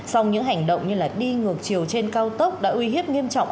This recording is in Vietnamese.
song những hành động như đi ngược chiều trên cao tốc đã uy hiếp nghiêm trọng